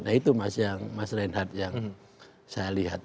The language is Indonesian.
nah itu mas reinhardt yang saya lihat